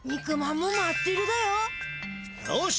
よし！